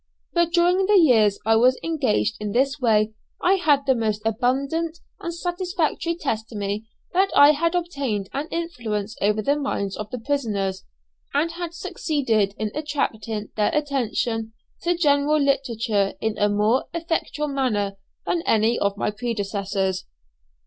But during the years I was engaged in this way I had the most abundant and satisfactory testimony that I had obtained an influence over the minds of the prisoners, and had succeeded in attracting their attention to general literature in a more effectual manner than any of my predecessors.